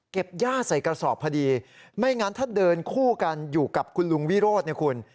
ย่าใส่กระสอบพอดีไม่งั้นถ้าเดินคู่กันอยู่กับคุณลุงวิโรธเนี่ยคุณ